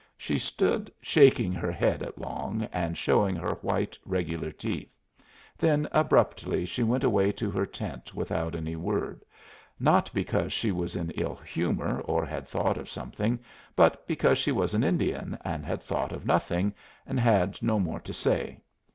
She stood shaking her head at Long, and showing her white, regular teeth. Then abruptly she went away to her tent without any word, not because she was in ill humor or had thought of something, but because she was an Indian and had thought of nothing, and had no more to say.